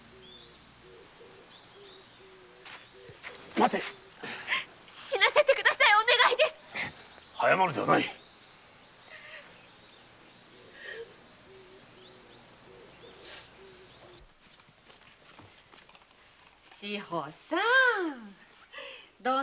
待て死なせてくださいお願いです早まるでない志保さん。